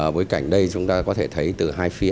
bối cảnh đây chúng ta có thể thấy từ hai phía